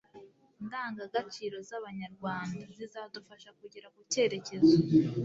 ndangagaciro z Abanyarwanda zizadufasha kugera ku Cyerekezo